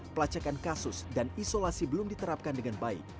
pelacakan kasus dan isolasi belum diterapkan dengan baik